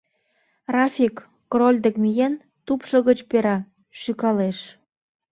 Рафик, Король дек миен, тупшо гыч пера, шӱкалеш.